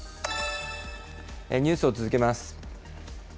ニュースを続けます。